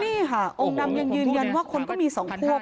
นี่ค่ะองค์นำยืนว่าคนก็มีสองพวก